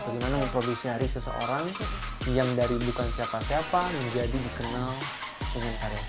bagaimana memproduksi hari seseorang yang dari bukan siapa siapa menjadi dikenal dengan karya